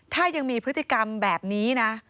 ถ้ายังมีพฤติกรรมแบบนี้นะ